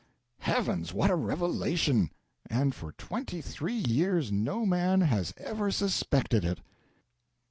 Heavens, what a revelation! And for twenty three years no man has ever suspected it!"